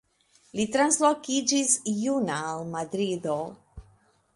Li translokiĝis juna al Madrido.